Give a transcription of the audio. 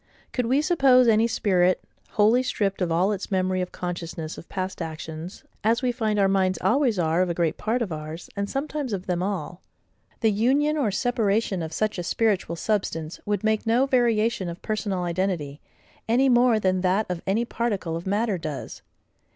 Could we suppose any spirit wholly stripped of all its memory of consciousness of past actions, as we find our minds always are of a great part of ours, and sometimes of them all; the union or separation of such a spiritual substance would make no variation of personal identity, any more than that of any particle of matter does.